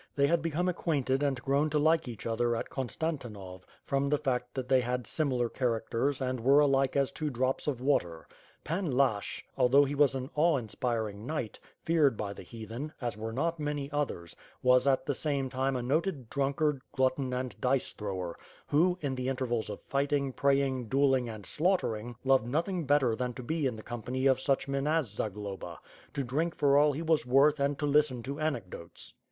They had 458 ^iTH FIRE AND SWORD. become acquainted and grown to like each other at Konstanti nov, from the fact that they had similar characters and were alike aa two drops of water. Pan Lashch, although he was an awe inspiring knight, feared by the Heathen, as were not many others, was at the same time a noted drunkard, glutton, and dice thrower, who, in the intervals of fighting, praying, duelling and slaughtering, loved nothing better than to be in the company of such men as Zagloba, to drink for all he was worth and to listen to anecdotes.